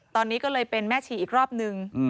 ตอนนี้ก็เลยเป็นแม่ชีอีกรอบนึง